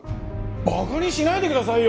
馬鹿にしないでくださいよ！